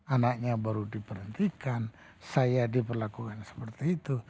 anaknya baru diperhentikan saya diperlakukan seperti itu